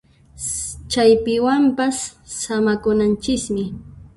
Chaypiwanpas samakunanchismi